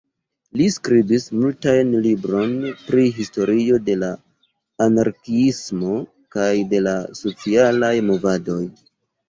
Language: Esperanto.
Li skribis multajn libron pri historio de la anarkiismo kaj de la socialaj movadoj.